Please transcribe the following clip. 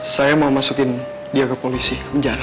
saya mau masukin dia ke polisi ke penjara